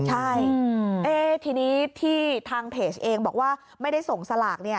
ใช่ทีนี้ที่ทางเพจเองบอกว่าไม่ได้ส่งสลาก